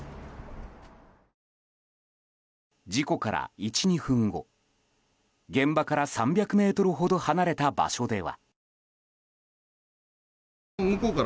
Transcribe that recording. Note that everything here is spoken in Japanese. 事故から１２分後、現場から３００ｍほど離れた場所では。